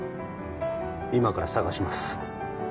今から捜します。